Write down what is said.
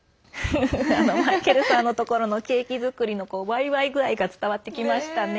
マイケルさんのところのケーキ作りのわいわい具合が伝わってきましたね。